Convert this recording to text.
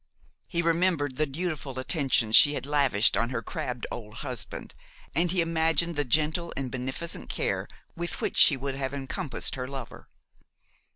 He remembered the dutiful attentions she had lavished on her crabbed old husband and he imagined the gentle and beneficent care with which she would have encompassed her lover.